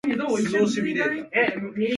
君がいた。